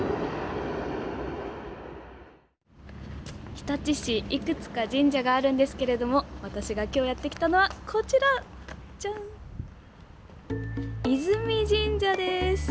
日立市、いくつか神社があるんですけれども私が今日やってきたのはこちら、泉神社です。